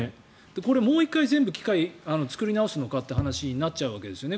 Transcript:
これ、もう１回全部機械を作り直すのかということになりますよね。